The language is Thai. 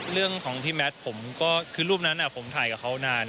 เรื่องของพี่แมทผมก็คือรูปนั้นผมถ่ายกับเขานาน